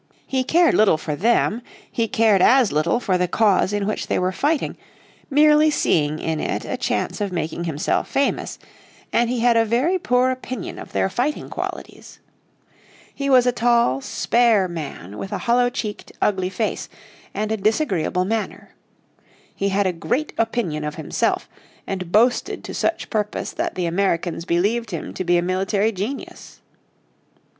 He cared little for them, he cared as little for the cause in which they were fighting, merely seeing in it a chance of making himself famous, and he had a very poor opinion of their fighting qualities. He was a tall, spare man with a hollow cheeked, ugly face, and a disagreeable manner. He had a great opinion of himself, and boasted to such purpose that the Americans believed him to be a military genius.